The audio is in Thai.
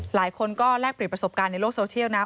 หลายคนก็แลกเปลี่ยนประสบการณ์ในโลกโซเชียลนะ